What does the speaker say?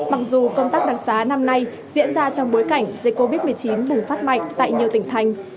mặc dù công tác đặc xá năm nay diễn ra trong bối cảnh dịch covid một mươi chín bùng phát mạnh tại nhiều tỉnh thành